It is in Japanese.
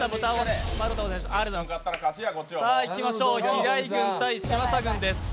平井軍×嶋佐軍です。